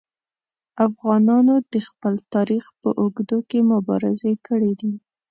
افغانانو د خپل تاریخ په اوږدو کې مبارزې کړي دي.